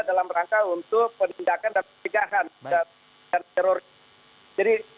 dalam rangka untuk penindakan dan pencegahan terorisme